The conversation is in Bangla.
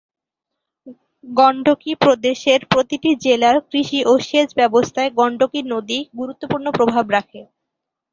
গণ্ডকী প্রদেশের প্রতিটি জেলার কৃষি ও সেচ ব্যবস্থায় গণ্ডকী নদী গুরুত্বপূর্ণ প্রভাব রাখে।